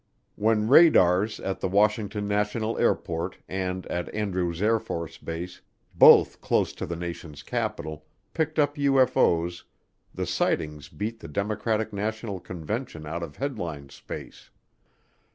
When radars at the Washington National Airport and at Andrews AFB, both close to the nation's capital, picked up UFO's, the sightings beat the Democratic National Convention out of headline space.